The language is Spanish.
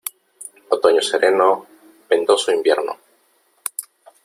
Otoño sereno, ventoso invierno.